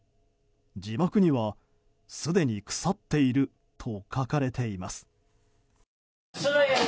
字幕には、すでに腐っていると書かれています。